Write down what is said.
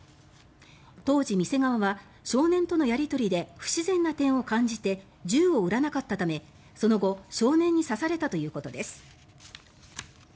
当時店側は少年とのやり取りで不自然な点を感じて銃を売らなかったためその後、少年に刺されたということです。